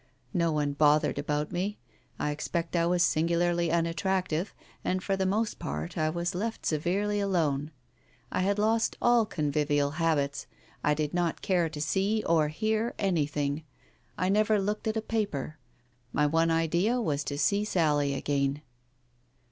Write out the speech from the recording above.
No one bothered about me, I expect I was singularly unattractive, and for the most part I was left severely alone. I had lost all convivial habits, I did not care to see or hear anything. I never looked at a paper, my one idea was to see Sally again.